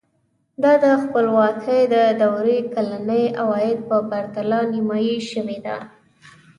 دا د خپلواکۍ د دورې کلني عاید په پرتله نیمايي شوی و.